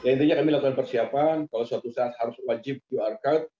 ya intinya kami lakukan persiapan kalau suatu saat harus wajib qr code